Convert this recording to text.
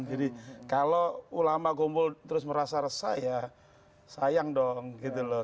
jadi kalau ulama kumpul terus merasa resah ya sayang dong gitu loh